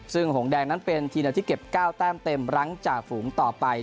ซึ่งหงแดงนั้นเป็นทีเดียวที่เก็บ๙แต้มเต็มหลังจากฝูงต่อไป